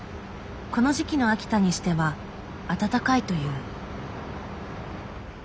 この時期の秋田にしては暖かいという。